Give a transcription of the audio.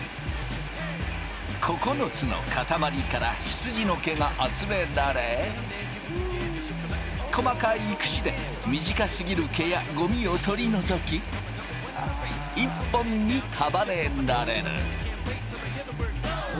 ９つの塊から羊の毛が集められ細かいクシで短すぎる毛やゴミを取り除き一本に束ねられる。